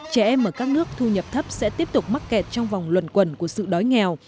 trẻ em ở các nước thu nhập thấp sẽ tiếp tục mắc kẹt trong vòng luẩn quẩn của sự đói nghèo